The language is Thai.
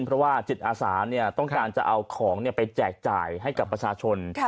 เพราะว่าจิตอาสาต้องการจะเอาของไปแจกจ่ายให้กับประชาชน